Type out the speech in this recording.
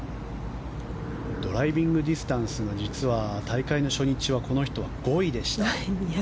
ドライビングディスタンスが大会初日はこの人は５位でした。